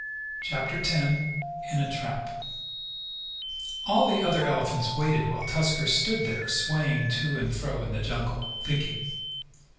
CHAPTER X IN A TRAP All the other elephants waited while Tusker stood there, swaying to and fro in the jungle thinking.